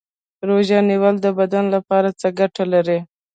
روژه نیول د بدن لپاره څه ګټه لري